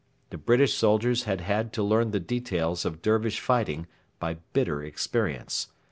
The British soldiers had had to learn the details of Dervish fighting by bitter experience.